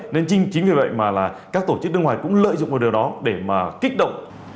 nhưng chính vì vậy mà các tổ chức nước ngoài cũng lợi dụng điều đó để mà kích động